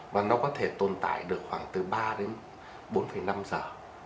và nó có thể tồn tại được khoảng từ ba đến bốn năm giờ